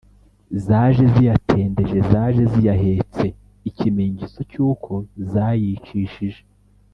zaje ziyatendeje: zaje ziyahese (ikimenyetso cy’uko zayicishije)